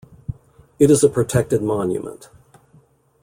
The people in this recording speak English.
It is a protected monument.